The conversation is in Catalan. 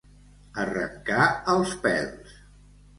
Arrencar els pèls.